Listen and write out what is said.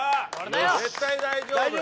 絶対大丈夫！